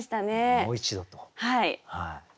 もう一度と。